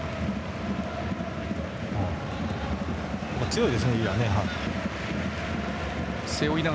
強いですね、リラ。